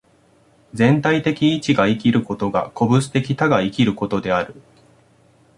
全体的一が生きることが個物的多が生きることである。